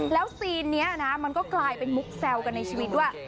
แล้วซีนนี้นะมันก็กลายเป็นมุกแซวกันในชีวิตว่า